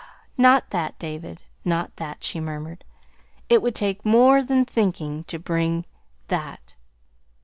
"Not that, David, not that," she murmured. "It would take more than thinking to bring that."